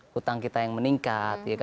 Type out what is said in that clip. hutang kita yang meningkat